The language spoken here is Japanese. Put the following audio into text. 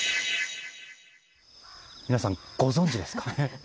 皆さん、ご存知ですか？